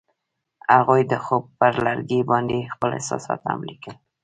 هغوی د خوب پر لرګي باندې خپل احساسات هم لیکل.